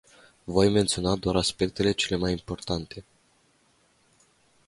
Voi menționa doar aspectele cele mai importante.